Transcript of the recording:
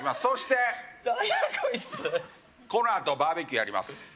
そしてなんやこいつこのあとバーベキューやります